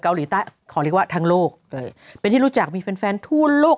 เกาหลีใต้ขอเรียกว่าทั้งโลกเป็นที่รู้จักมีแฟนแฟนทั่วโลก